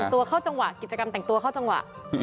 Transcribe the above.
ตัวเข้าจังหวะกิจกรรมแต่งตัวเข้าจังหวะ